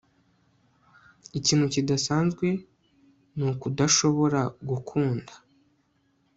ikintu kidasanzwe ni ukudashobora gukunda